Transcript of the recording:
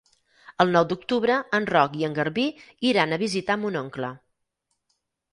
El nou d'octubre en Roc i en Garbí iran a visitar mon oncle.